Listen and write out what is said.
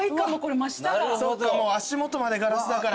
足元までガラスだから。